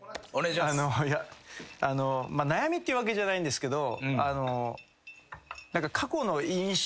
いや悩みっていうわけじゃないんですけど。